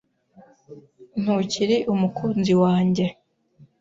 Ntukiri umukunzi wanjye.